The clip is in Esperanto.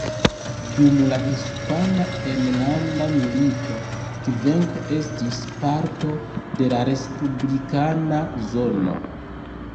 Dum la Hispana Enlanda Milito, Kvenko estis parto de la respublikana zono.